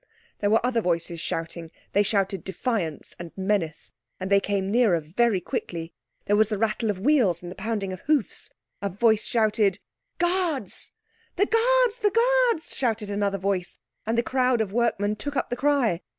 There were other voices shouting; they shouted defiance and menace, and they came nearer very quickly. There was the rattle of wheels and the pounding of hoofs. A voice shouted, "Guards!" "The Guards! The Guards!" shouted another voice, and the crowd of workmen took up the cry.